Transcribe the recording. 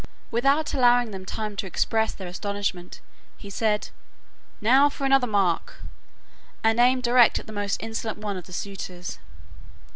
Without allowing them time to express their astonishment, he said, "Now for another mark!" and aimed direct at the most insolent one of the suitors.